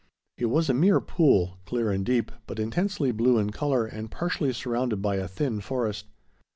It was a mere pool, clear and deep, but intensely, blue in color and partially surrounded by a thin forest.